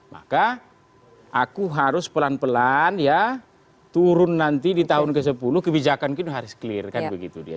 maka aku harus pelan pelan ya turun nanti di tahun ke sepuluh kebijakan kita harus clear kan begitu dia